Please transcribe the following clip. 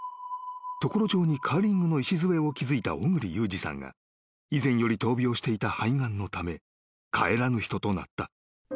常呂町にカーリングの礎を築いた小栗祐治さんが以前より闘病していた肺がんのため帰らぬ人となった］